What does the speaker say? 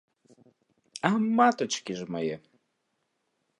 А матачкі ж мае!